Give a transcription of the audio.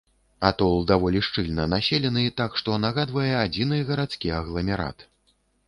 Атол даволі шчыльна населены, так што нагадвае адзіны гарадскі агламерат.